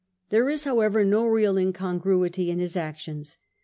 There is, however, no real incongruity in his actions.